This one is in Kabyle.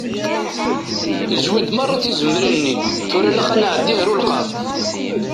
Izwi-d meṛṛa tizemrin-nni, tura ilaq ad nɛeddi ar ulqaḍ.